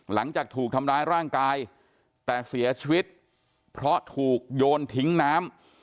หลังจากถูกทำร้ายร่างกายแต่เสียชีวิตเพราะถูกโยนทิ้งน้ำ